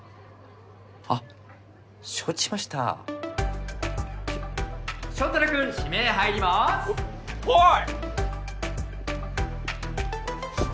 あ承知しました祥太郎君指名入りまーすあっはい！